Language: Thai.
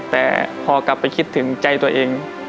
แต่พอกลับไปคิดถึงใจตัวเอง